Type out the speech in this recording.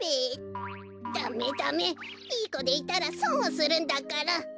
ダメダメいいこでいたらそんをするんだから！